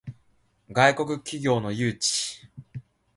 外国企業の誘致